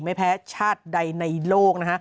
ไม่แพ้ชาติใดในโลกนะฮะ